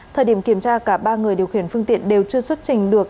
thời điểm kiểm tra cả ba người điều khiển phương tiện đều chưa xuất trình được